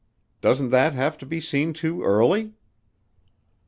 Doesn't that have to be seen to early?"